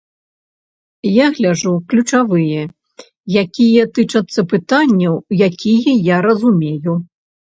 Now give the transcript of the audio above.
Я гляджу ключавыя, якія тычацца пытанняў, якія я разумею.